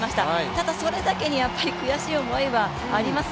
ただ、それだけにやはり悔しい思いはあります。